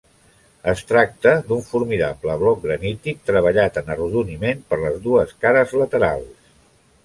Es tracta d'un formidable bloc granític, treballat en arrodoniment per les dues cares laterals.